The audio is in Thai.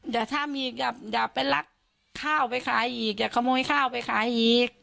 อย่าเป็นรักข้าวไปขายอีกอย่าขโมยข้าวไปขายอีก